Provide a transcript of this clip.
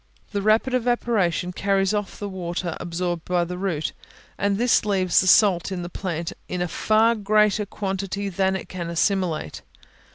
The rapid evaporation carries off the water absorbed by the root, and this leaves the salts in the plant in a far greater quantity than it can assimilate.